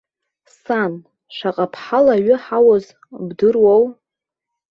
Сан, шаҟа ԥҳал аҩы ҳауз бдыруоу?